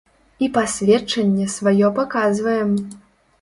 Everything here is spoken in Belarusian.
І пасведчанне сваё паказваем!